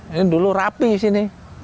ini dulu rapi sini